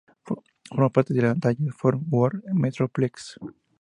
Forma parte del Dallas-Fort Worth metroplex.